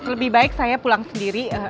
lebih baik saya pulang sendiri